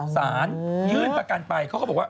สารยื่นประกันไปเขาก็บอกว่า